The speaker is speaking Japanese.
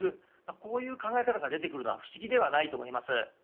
こういう考え方が出てくるのは不思議ではないと思います。